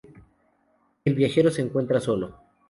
El viajero se encuentra solo.